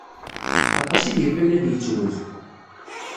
Aṭas i d-yeqqimen ad yettweg.